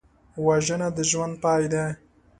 وژنه د ژوند پای دی